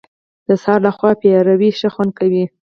د سهار له خوا پېروی ښه خوند کوي .